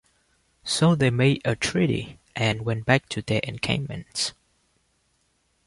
So they made a treaty, and went back to their encampments.